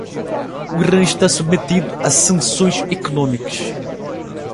O Irã está submetido a sanções econômicas